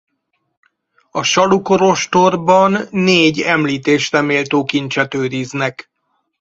A Salu kolostorban négy említésre méltó kincset őriznek.